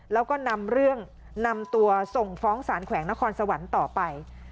แล้วก็นำเรื่องนำตัวส่งฟ้องสารแขวงนครสวรรค์ต่อไป